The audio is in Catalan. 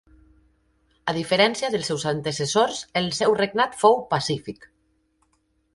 A diferència dels seus antecessors el seu regnat fou pacífic.